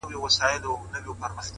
نظم د وخت غوره استعمال ممکنوي